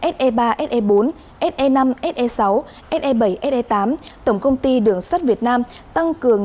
se ba se bốn se năm se sáu se bảy se tám tổng công ty đường sắt việt nam tăng cường